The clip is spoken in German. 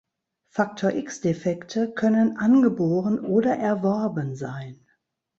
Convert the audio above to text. Faktor-X-Defekte können angeboren oder erworben sein.